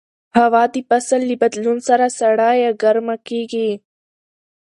هوا د فصل له بدلون سره سړه یا ګرمه کېږي